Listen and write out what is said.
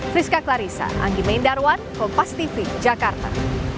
friska klarissa anggi meyendarwan kompastv jakarta